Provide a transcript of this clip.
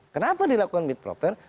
kenapa dilakukan meet proper